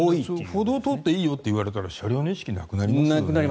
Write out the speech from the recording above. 歩道を通っていいよと言われたら車両の意識なくなりますよね。